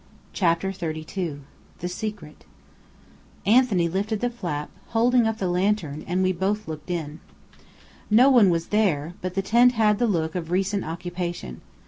CHAPTER XXXII THE SECRET Anthony lifted the flap, holding up the lantern, and we both looked in. No one was there but the tent had the look of recent occupation.